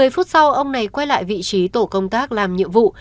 một mươi phút sau ông này quay lại vị trí tổ công tác làm nhiệm vụ